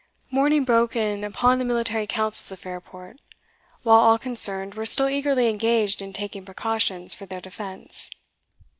Morning broke in upon the military councils of Fairport, while all concerned were still eagerly engaged in taking precautions for their defence.